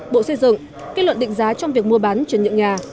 bộ xây dựng kết luận định giá trong việc mua bán chuyển nhượng nhà